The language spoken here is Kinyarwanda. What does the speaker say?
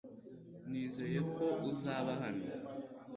Nizeye ko uzaba hano .